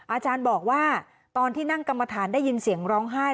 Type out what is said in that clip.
อาจารย์บอกว่าตอนที่นั่งกรรมฐานได้ยินเสียงร้องไห้